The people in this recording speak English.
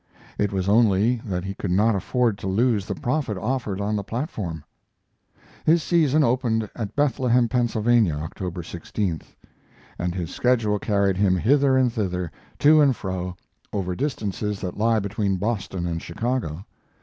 It was only that he could not afford to lose the profit offered on the platform. His season opened at Bethlehem, Pennsylvania, October 16th, and his schedule carried him hither and thither, to and fro, over distances that lie between Boston and Chicago.